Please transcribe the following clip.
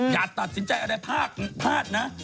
อย่าตัดสินใจอะไรพลาดนะ